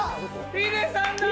ヒデさんだ！